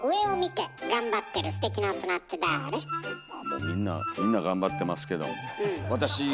もうみんなみんながんばってますけど私が！